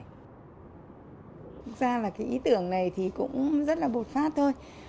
thực ra là cái ý tưởng này thì cũng rất là bột phát thôi